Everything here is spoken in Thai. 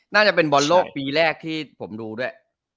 น่าจะเป็นบอลโลกปีแรกที่ผมดูด้วย